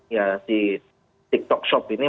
ya si tiktok shop ini